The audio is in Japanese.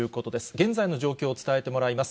現在の状況を伝えてもらいます。